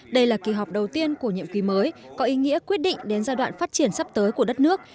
đây là kỳ họp đầu tiên của nhiệm kỳ mới có ý nghĩa quyết định đến giai đoạn phát triển sắp tới của đất nước